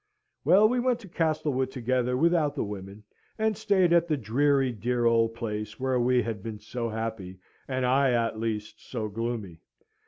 Well, we went to Castlewood together without the women, and stayed at the dreary, dear old place, where we had been so happy, and I, at least, so gloomy.